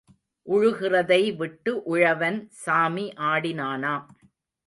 உழுகிறதை விட்டு உழவன் சாமி ஆடினானாம்.